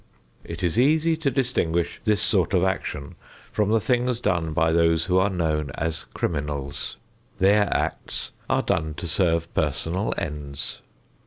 It is easy to distinguish this sort of action from the things done by those who are known as criminals. Their acts are done to serve personal ends.